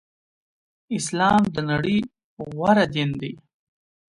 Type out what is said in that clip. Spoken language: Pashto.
اسلام د نړی غوره دین دی.